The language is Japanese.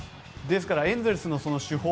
ですからエンゼルスの主砲